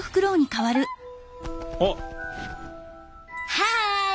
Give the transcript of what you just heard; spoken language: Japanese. はい！